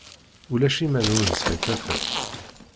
Ulac iman ur nesɛi tafat.